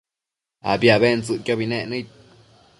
abi abentsëcquiobi nec nëid